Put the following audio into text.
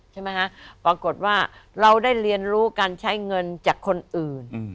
ใช่ไหมฮะปรากฏว่าเราได้เรียนรู้การใช้เงินจากคนอื่น